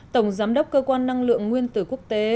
tổng giám đốc cơ quan năng lượng nguyên tử quốc tế